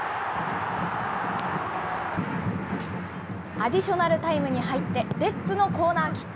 アディショナルタイムに入って、レッズのコーナーキック。